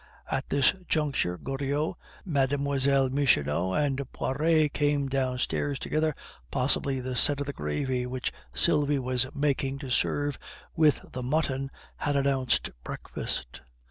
At this juncture, Goriot, Mlle. Michonneau, and Poiret came downstairs together; possibly the scent of the gravy which Sylvie was making to serve with the mutton had announced breakfast.